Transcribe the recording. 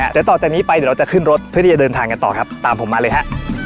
เดี๋ยวต่อจากนี้ไปเดี๋ยวเราจะขึ้นรถเพื่อที่จะเดินทางกันต่อครับตามผมมาเลยฮะ